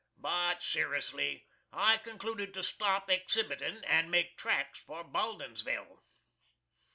But, serisly, I concluded to stop exhibitin', and made tracks for Baldinsville.